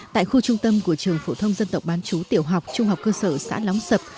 tại khu trung tâm của trường phổ thông dân tộc bán chú tiểu học trung học cơ sở xã lóng sập